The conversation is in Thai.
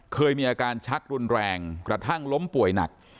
เคยมีอาการชักรุนแรงกระทั่งล้มป่วยหนัก